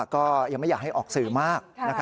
ก็ยังไม่อยากให้ออกสื่อมาก